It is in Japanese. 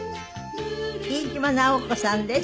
飯島直子さんです。